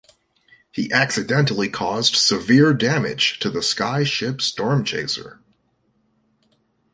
He accidentally caused severe damage to the sky ship Stormchaser.